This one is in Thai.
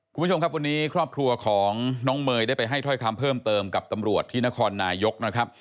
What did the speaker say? คุณผู้ชมครับวันนี้ครอบครัวของน้องเมย์ได้ไปให้ถ้อยคำเพิ่มเติมกับตำรวจที่นครนายกนะครับ